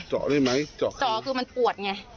เจาะได้ไหมเจาะเจาะคือมันปวดไง